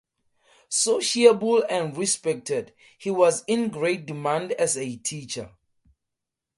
Sociable and respected, he was in great demand as a teacher.